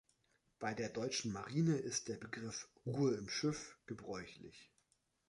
Bei der Deutschen Marine ist der Begriff „Ruhe im Schiff“ gebräuchlich.